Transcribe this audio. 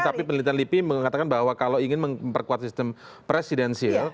tapi penelitian lipi mengatakan bahwa kalau ingin memperkuat sistem presidensil